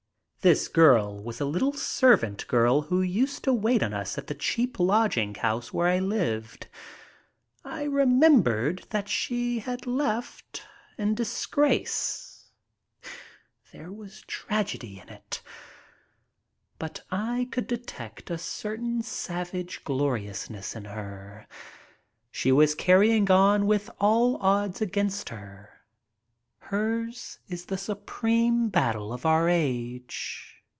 This girl was a little servant girl who used to wait on us at the cheap lodging house where I lived. I remembered that she had left in disgrace. There was tragedy in it. But I could detect a certain savage gloriousness in her. She was carrying on with all odds against her. Hers is the supreme battle of our age.